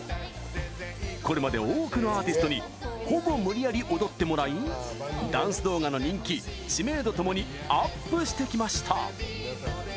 これまで多くのアーティストにほぼ無理やり踊ってもらいダンス動画の人気、知名度ともにアップしてきました。